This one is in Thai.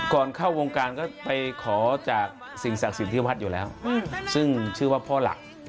ก่อนเข้าวงการก็ไปขอจากสิ่งศักดิ์สิทธิ์ที่วัดอยู่แล้วซึ่งชื่อว่าพ่อหลัก